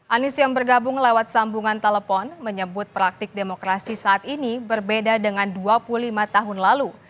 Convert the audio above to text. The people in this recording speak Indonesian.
anies yang bergabung lewat sambungan telepon menyebut praktik demokrasi saat ini berbeda dengan dua puluh lima tahun lalu